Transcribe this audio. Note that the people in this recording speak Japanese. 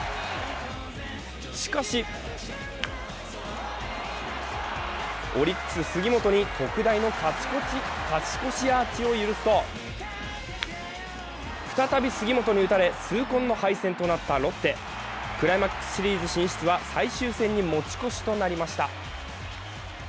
しかし、オリックス・杉本に特大の勝ち越しアーチを許すと再び、杉本に打たれ、痛恨の敗戦となったロッテクライマックスシリーズ進出は最終戦に持ち越しとなりました。